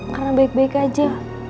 karena baik baik aja